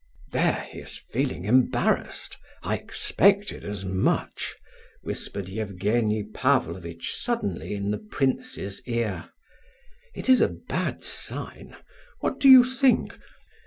"There, he is feeling embarrassed; I expected as much," whispered Evgenie Pavlovitch suddenly in the prince's ear. "It is a bad sign; what do you think?